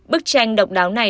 bức tranh độc đáo này